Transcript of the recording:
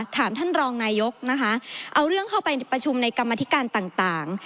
ท่านรองนายกนะคะเอาเรื่องเข้าไปประชุมในกรรมธิการต่าง